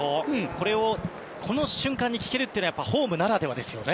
これをこの瞬間に聞けるというのはホームならではですよね。